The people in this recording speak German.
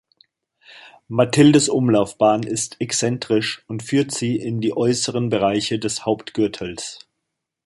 Mathildes Umlaufbahn ist exzentrisch und führt sie in die äußeren Bereiche des Hauptgürtels.